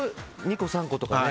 ２個、３個とかね。